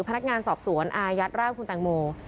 พนักงานสอบสวนอายัดร่างคุณแตงโม